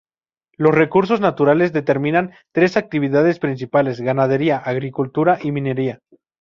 Los recursos naturales determinan tres actividades principales: ganadería, agricultura y minería.